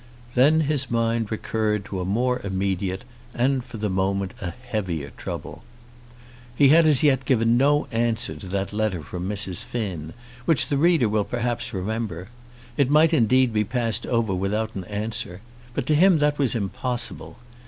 Then his mind recurred to a more immediate and, for the moment, a heavier trouble. He had as yet given no answer to that letter from Mrs. Finn, which the reader will perhaps remember. It might indeed be passed over without an answer; but to him that was impossible.